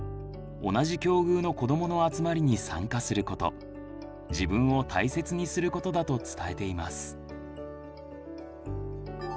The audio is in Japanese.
「同じ境遇の子どもの集まりに参加すること」「自分を大切にすること」だと伝えています。